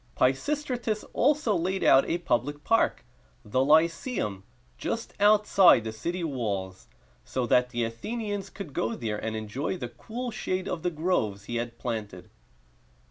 Pisistratus also laid out a public park, the Ly ce´um, just outside the city walls, so that the Athenians could go there, and enjoy the cool shade of the groves he had planted.